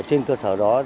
trên cơ sở đó